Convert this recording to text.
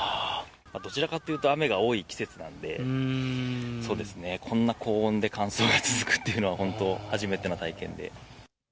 どちらかというと雨が多い季節なんで、そうですね、こんな高温で乾燥が続くっていうのは、本当、初めての体験で。